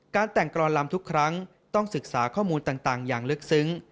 แต่งกรอนลำทุกครั้งต้องศึกษาข้อมูลต่างอย่างลึกซึ้ง